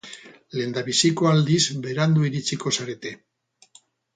Lehendabiziko aldiz berandu iritsiko zarete.